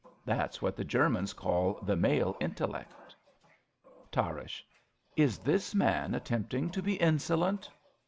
That's what the Germans call the male intellect. Tarrasch. Is this man attempting to be insolent